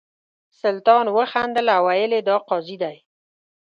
سلطان وخندل او ویل یې دا قاضي دی.